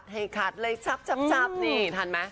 ให้ขัดเลยชับนี่ทันไหม